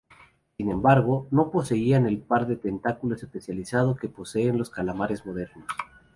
Sin embargo, no poseían el par de tentáculos especializados que poseen los calamares modernos.